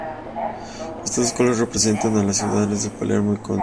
Estos dos colores representan a las ciudades de Palermo y Corleone.